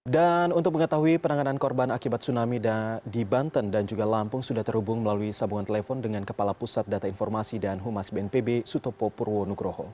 untuk mengetahui penanganan korban akibat tsunami di banten dan juga lampung sudah terhubung melalui sambungan telepon dengan kepala pusat data informasi dan humas bnpb sutopo purwonugroho